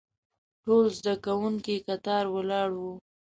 ټول زده کوونکي کتار ولاړ وو.